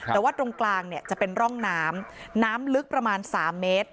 แต่ว่าตรงกลางเนี่ยจะเป็นร่องน้ำน้ำลึกประมาณ๓เมตร